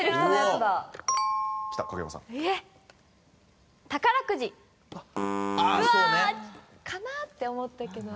うわっ！かなって思ったけど。